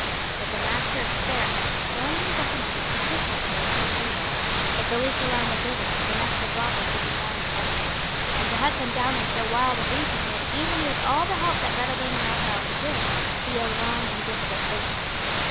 But the Master of Stair had strongly recommended a different mode of proceeding. If the least alarm were given, the nest of robbers would be found empty; and to hunt them down in so wild a region would, even with all the help that Breadalbane and Argyle could give, be a long and difficult business.